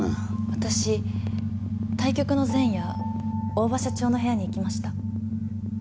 私対局の前夜大庭社長の部屋に行きました。